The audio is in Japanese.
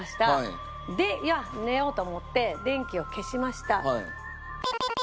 で寝ようと思って電気を消しました。